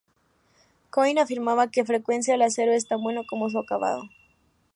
Koenig afirmaba con frecuencia: "El acero es tan bueno como su acabado.